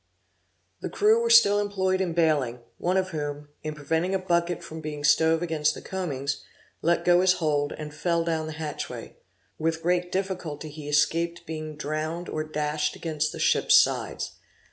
The crew were still employed in baling; one of whom, in preventing a bucket from being stove against the combings, let go his hold, and fell down the hatchway; with great difficulty he escaped being drowned or dashed against the ship's sides.